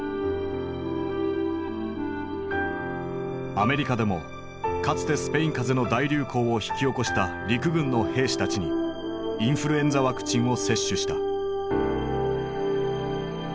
アメリカでもかつてスペイン風邪の大流行を引き起こした陸軍の兵士たちにインフルエンザワクチンを接種した。